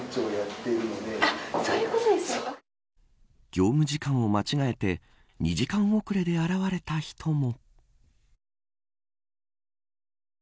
業務時間を間違えて２時間遅れで現れた人も。